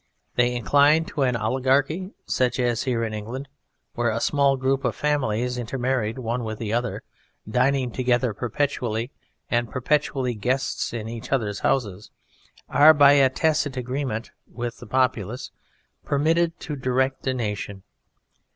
They incline to an oligarchy such as is here in England where a small group of families, intermarried one with the other, dining together perpetually and perpetually guests in each other's houses, are by a tacit agreement with the populace permitted to direct a nation.